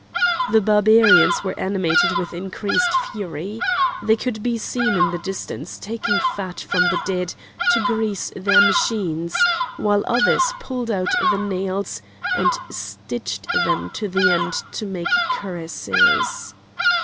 The Barbarians were animated with increased fury. They could be seen in the distance taking fat from the dead to grease their machines, while others pulled out the nails and stitched them end to end to make cuirasses.